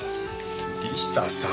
杉下さん！